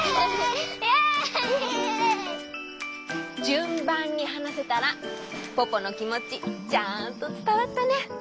じゅんばんにはなせたらポポのきもちちゃんとつたわったね！